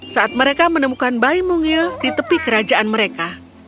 saat mereka menemukan bayi mungil di tepi kerajaan mereka